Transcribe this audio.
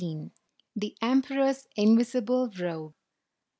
1 16 THE EMPEROR'S INVISIBLE ROBE.